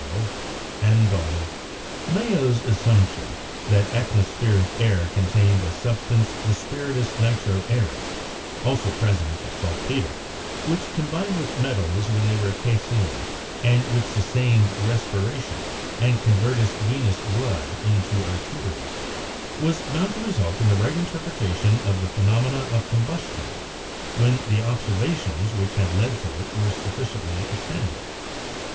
Dom. mdclxxiv/ Mayow's assumption — that atmospheric air contained a substance, the 'spiritus nitro aereus' (also present in salt peter), which combined with metals when they were cal cined, and which sustained respiration and converted venous blood into arterial — was bound to result in the right interpretation of the phenomena of combustion, when the observations which had led to it were sufficiently ex tended.